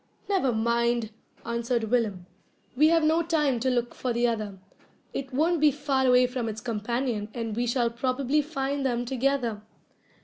"Never mind," answered Willem, "we have no time to look for the other. It won't be far away from its companion, and we shall probably find them together."